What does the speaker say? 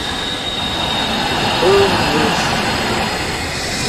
ônus